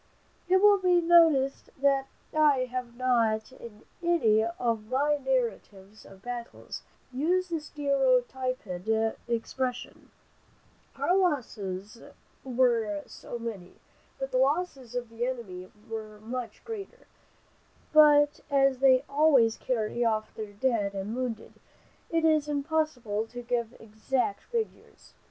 It will be noticed that I have not in any of my narratives of battles, used the stereotyped expression, "Our losses were so many, but the losses of the enemy were much greater, but as they always carry off their dead and wounded, it is impossible to give exact figures."